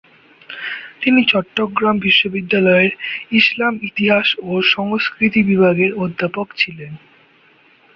তিনি চট্টগ্রাম বিশ্ববিদ্যালয়ের ইসলামের ইতিহাস ও সংস্কৃতি বিভাগের অধ্যাপক ছিলেন।